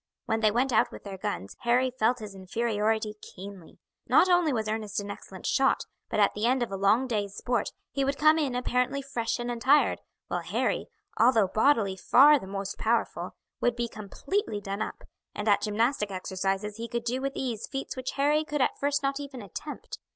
When they went out with their guns Harry felt his inferiority keenly. Not only was Ernest an excellent shot, but at the end of a long day's sport he would come in apparently fresh and untired, while Harry, although bodily far the most powerful, would be completely done up; and at gymnastic exercises he could do with ease feats which Harry could at first not even attempt.